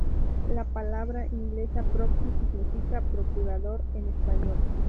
La palabra inglesa proxy significa "procurador" en español.